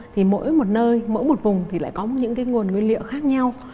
thì mỗi một nơi mỗi một vùng thì lại có những nguồn nguyên liệu khác nhau